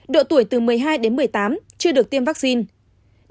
độ tuổi từ một mươi hai đến một mươi tám chưa được tiêm vaccine